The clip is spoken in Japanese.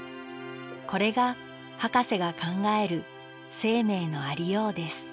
これがハカセが考える生命のありようです